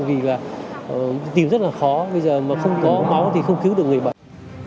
vì là tìm rất là khó bây giờ mà không có máu thì không cứu được người bệnh